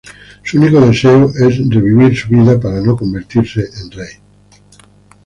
Su único deseo es revivir su vida para no convertirse en rey.